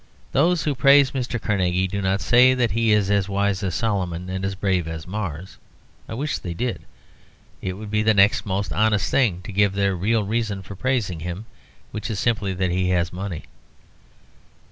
Those who praise Mr. Carnegie do not say that he is as wise as Solomon and as brave as Mars; I wish they did. It would be the next most honest thing to giving their real reason for praising him, which is simply that he has money.